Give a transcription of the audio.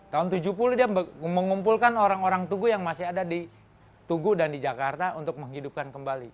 tahun tujuh puluh dia mengumpulkan orang orang tugu yang masih ada di tugu dan di jakarta untuk menghidupkan kembali